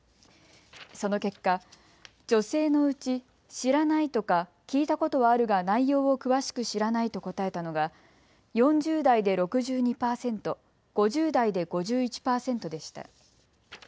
その結果、女性のうち知らないとか聞いたことはあるが内容を詳しく知らないと答えたのが４０代で６２％、５０代で５１％でした。